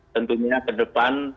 tentunya ke depan